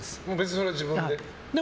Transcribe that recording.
それは自分で？